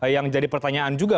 yang jadi pertanyaan juga